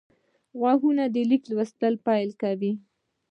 غوږونه د لیک لوست پیل کوي